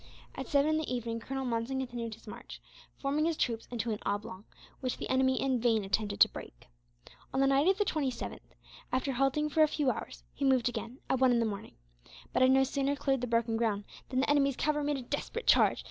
At seven in the evening Colonel Monson continued his march, forming his troops into an oblong, which the enemy in vain attempted to break. On the night of the 27th, after halting for a few hours, he moved again, at one in the morning; but had no sooner cleared the broken ground than the enemy's cavalry made a desperate charge.